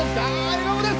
笑顔です。